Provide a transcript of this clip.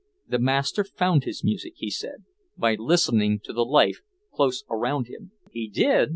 "The Master found his music," he said, "by listening to the life close around him." "He did?"